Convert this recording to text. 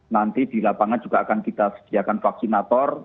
nanti di lapangan juga akan kita sediakan vaksinator